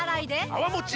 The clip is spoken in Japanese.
泡もち